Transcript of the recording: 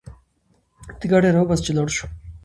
ته ګاډی راوباسه چې لاړ شو